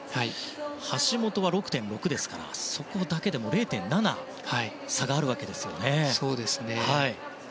橋本は６．６なのでそこだけでも０．７差があるわけですね。